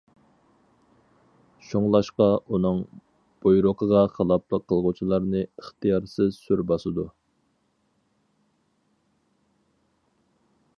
شۇڭلاشقا ئۇنىڭ بۇيرۇقىغا خىلاپلىق قىلغۇچىلارنى ئىختىيارسىز سۈر باسىدۇ.